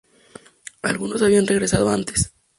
Algunos habían regresado antes.